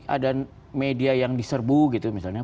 ada media yang diserbu gitu misalnya